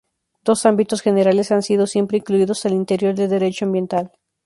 Dos ámbitos generales han sido siempre incluidos al interior del Derecho Ambiental.